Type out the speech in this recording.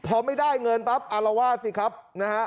พอไม่ได้เงินปั๊บอารวาสสิครับนะฮะ